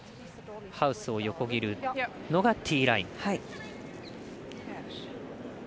ハウスを横切るのがティーライン。